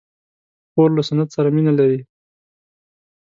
خور له سنت سره مینه لري.